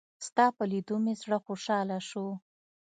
ستا په لېدو مې زړه خوشحاله شو.